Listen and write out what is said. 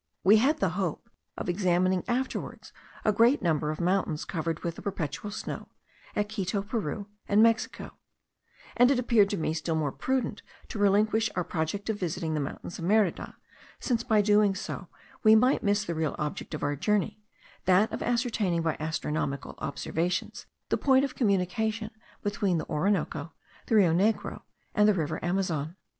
We had the hope of examining afterwards a great number of mountains covered with perpetual snow, at Quito, Peru, and Mexico; and it appeared to me still more prudent to relinquish our project of visiting the mountains of Merida, since by so doing we might miss the real object of our journey, that of ascertaining by astronomical observations the point of communication between the Orinoco, the Rio Negro, and the river Amazon.